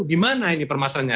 di mana ini permasalahannya